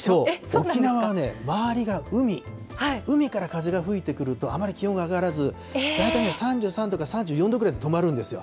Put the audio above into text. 沖縄はね、周りが海、海から風が吹いてくると、あまり気温が上がらず、大体３３度か３４度ぐらいで止まるんですよ。